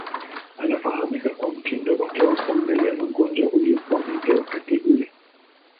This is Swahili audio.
Anafahamika kwa mtindo wake wa kuangalia magonjwa uliokuwa mpya wakati ule.